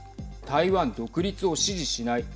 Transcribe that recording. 台湾独立を支持しない。